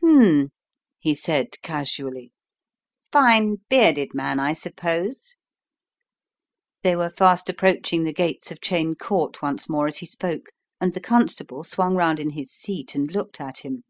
"Hm," he said, casually. "Fine, bearded man I suppose?" They were fast approaching the gates of Cheyne Court once more as he spoke, and the con* stable swung round in his seat and looked at him.